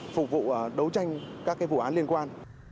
phục vụ đấu tranh các vụ án liên quan